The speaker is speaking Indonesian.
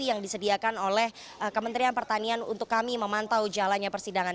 yang disediakan oleh kementerian pertanian untuk kami memantau jalannya persidangan